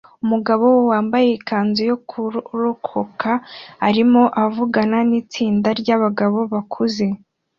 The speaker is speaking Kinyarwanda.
Umugabo wambaye ikanzu yo kurokoka arimo avugana nitsinda ryabagabo bakuze